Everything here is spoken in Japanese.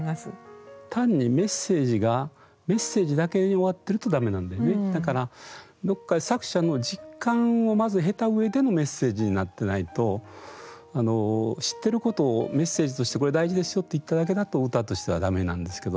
単にメッセージがだからどこかで作者の実感をまず経た上でのメッセージになってないと知ってることをメッセージとして「これ大事ですよ」って言っただけだと歌としてはだめなんですけど。